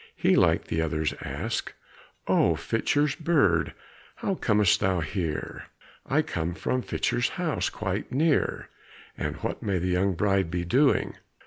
He, like the others, asked, "O, Fitcher's bird, how com'st thou here?" "I come from Fitcher's house quite near." "And what may the young bride be doing?